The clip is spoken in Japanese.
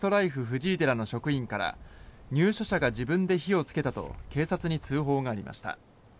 藤井寺の職員から入所者が自分で火をつけたと警察に通報がありました。